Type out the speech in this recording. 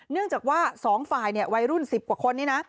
เนื่องจากว่า๒ฝ่ายวัยรุ่น๑๐กว่าคนนี้นะ